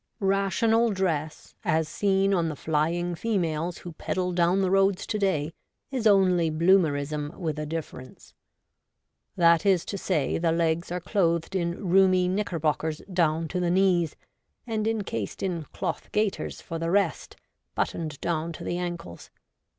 Rational Dress, as seen on the flying females who pedal down the roads to day, is only Bloomerism with a difference. That is to say, the legs are clothed in roomy knickerbockers down to the knees, and encased in cloth gaiters for the rest, buttoned down to the ankles.